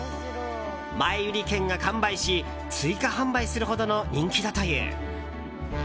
前売り券が完売し追加販売するほどの人気だという。